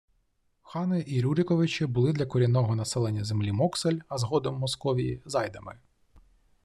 Хани і Рюриковичі були для корінного населення землі Моксель, а згодом – Московії, зайдами